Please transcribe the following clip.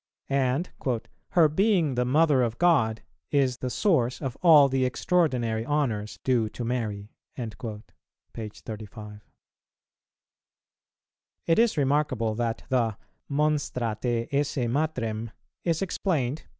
And "Her being the Mother of God is the source of all the extraordinary honours due to Mary," p. 35. It is remarkable that the "Monstra te esse Matrem" is explained, p.